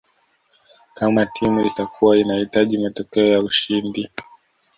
Kama timu itakua inahitaji matokeo ya ushindi